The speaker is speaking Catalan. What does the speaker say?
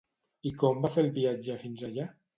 I com va fer el viatge fins allà?